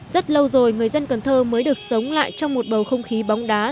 rất lâu rồi người dân cần thơ mới được sống lại trong một bầu không khí bóng đá